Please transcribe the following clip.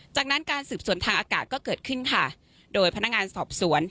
จากนั้นการสืบสวนทางอากาศก็เกิดขึ้นค่ะโดยพนักงานสอบสวน